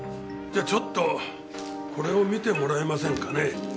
じゃちょっとこれを見てもらえませんかね？